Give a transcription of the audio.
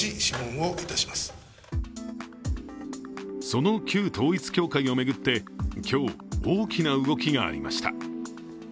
その旧統一教会を巡って今日、大きな動きがありました。